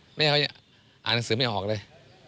ไม่ให้เขาอ่านหนังสือไม่ออกเลย